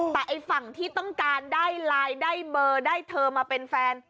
แต่ไอ้ฝั่งที่ต้องการได้ไลน์ได้เบอร์ได้เธอมาเป็นแฟน